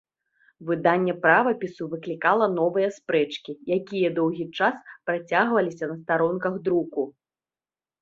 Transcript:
Выданне правапісу выклікала новыя спрэчкі, якія доўгі час працягваліся на старонках друку.